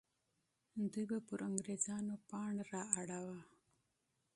دوی به پر انګریزانو پاڼ را اړوه.